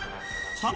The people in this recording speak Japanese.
さあ。